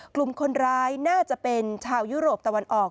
กลุ่มคนร้ายน่าจะเป็นชาวยุโรปตะวันออก